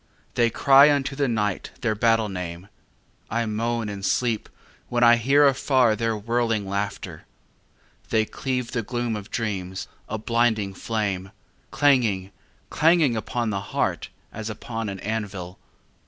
They cry unto the night their battle name: I moan in sleep when I hear afar their whirling laughter. They cleave the gloom of dreams, a blinding flame, Clanging, clanging upon the heart as upon an anvil.